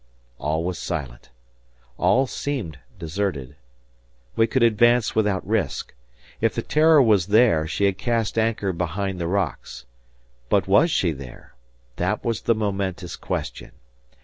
All was silent; all seemed deserted. We could advance without risk. If the "Terror" was there, she had cast anchor behind the rocks. But was she there? That was the momentous question!